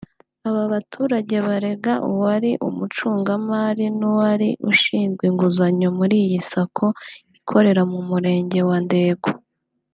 Aba baturage barega uwari umucungamari n’uwari ushinzwe inguzanyo muri iyi Sacco ikorera mu Murenge wa Ndego